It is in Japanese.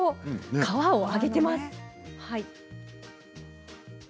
皮を揚げています。